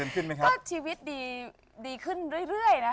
ก็ชีวิตดีขึ้นเรื่อยนะคะ